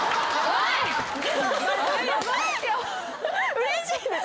うれしいんですよ